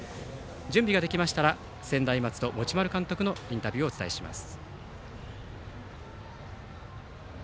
準備ができましたら専大松戸、持丸監督のインタビューをお伝えします。